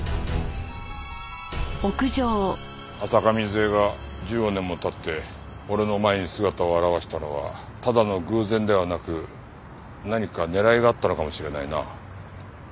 浅香水絵が１５年も経って俺の前に姿を現したのはただの偶然ではなく何か狙いがあったのかもしれないな。